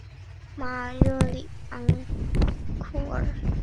马尔热里耶昂库尔。